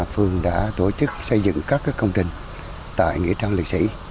phường đã tổ chức xây dựng các công trình tại nghĩa trang liệt sĩ